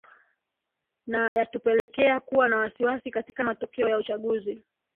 na yatupelekea kuwa na wasiwasi katika matokeo ya uchaguzi